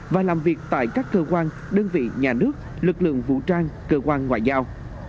và làm việc tại các cơ quan đơn vị nhà nước lực lượng vũ trang cơ quan ngoại giao